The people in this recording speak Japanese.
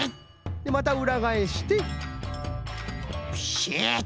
またうらがえしてピシッ。